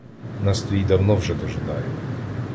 Нас твій давно вже дожидає